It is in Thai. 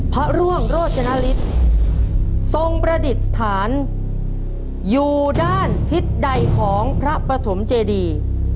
พระร่วงโรจนฤทธิ์ทรงประดิษฐานอยู่ด้านทิศใดของพระปฐมเจดี